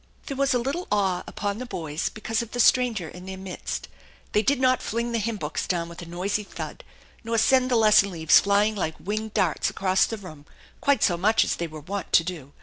There was a little awe upon the boys because of the stranger in their midst. They did not fling the hymn books down with a noisy thud, nor send the lesson leaves flying like winged darts across the room quite so much as they were wont to do.